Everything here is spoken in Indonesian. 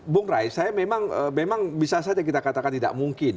bung rais saya memang bisa saja kita katakan tidak mungkin